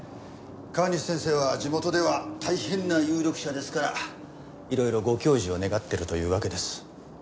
川西先生は地元では大変な有力者ですからいろいろご教示を願ってるというわけです。